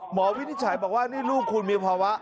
หมอวิทยาชัยบอกว่านี่ลูกคุณมีภาวะ